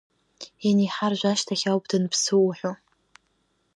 Ианиҳаржә ашьҭахь ауп данԥсы уҳәоу?